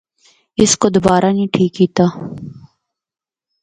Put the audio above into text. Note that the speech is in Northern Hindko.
اس کو دبّارہ نیں ٹھیک کیتا۔